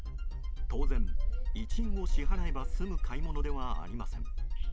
当然、１円を支払えば済む買い物ではありません。